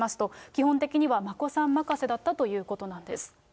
基本的には眞子さん任せだったということなんです。